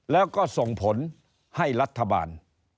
แล้วก็ส่งผลให้รัฐบาล